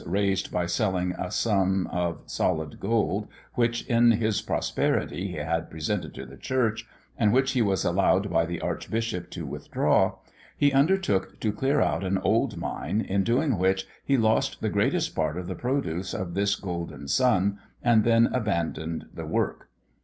raised by selling a sun of solid gold, which, in his prosperity, he had presented to the church, and which he was allowed by the archbishop to withdraw, he undertook to clear out an old mine, in doing which he lost the greatest part of the produce of this golden sun, and then abandoned the work.